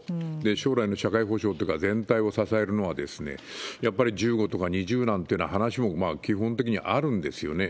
将来の社会保障とか全体を支えるのは、やっぱり１５とか２０なんていうような話も基本的にあるんですよね。